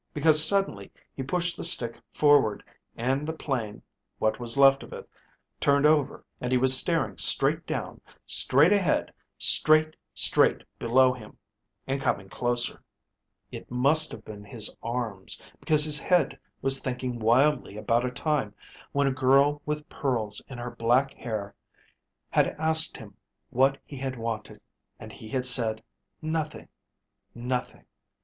Because suddenly he pushed the stick forward, and the plane, what was left of it, turned over and he was staring straight down, straight ahead, straight, straight below him. And coming closer. It must have been his arms, because his head was thinking wildly about a time when a girl with pearls in her black hair had asked him what he had wanted, and he had said, 'Nothing ... nothing....'